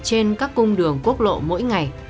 trên các cung đường quốc lộ mỗi ngày